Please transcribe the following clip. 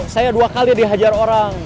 saya dua kali dihajar orang